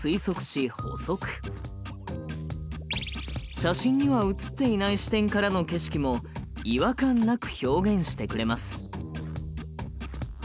写真には写っていない視点からの景色も違和感なく表現してくれます。